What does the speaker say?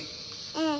うん。